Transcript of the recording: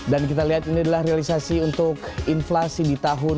dan kita lihat ini adalah realisasi untuk inflasi di tahun dua ribu delapan belas